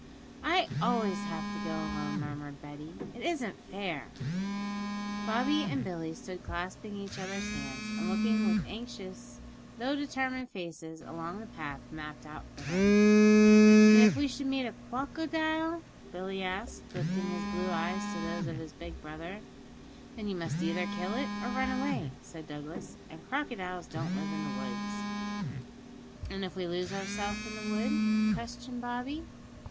'I always have to go alone,' murmured Betty; 'it isn't fair.' Bobby and Billy stood clasping each other's hands, and looking with anxious though determined faces along the path mapped out for them. 'And if we should meet a cwocodile?' Billy asked, lifting his blue eyes to those of his big brother. 'Then you must either kill it or run away,' said Douglas. 'And crocodiles don't live in woods.' 'And if we lose ourselves in the wood?' questioned Bobby.